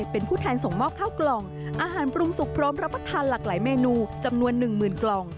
เป็นผู้แทนส่งมอบข้าวกล่องอาหารปรุงสุกพร้อมรับประทานหลากหลายเมนูจำนวน๑๐๐๐กล่อง